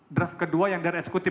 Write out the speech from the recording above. draft kedua yang dari eksekutif